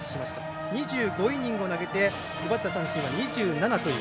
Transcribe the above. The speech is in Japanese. ２５イニング投げて奪った三振は２７という。